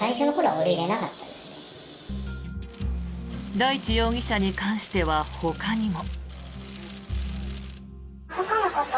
大地容疑者に関してはほかにも。